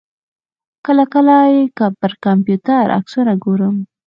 کله کله یې پر کمپیوټر عکسونه ګورم.